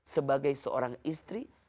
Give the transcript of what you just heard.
sebagai seorang istri